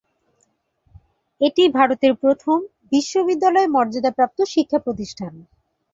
এটিই ভারতের প্রথম বিশ্ববিদ্যালয়-মর্যাদা প্রাপ্ত শিক্ষাপ্রতিষ্ঠান।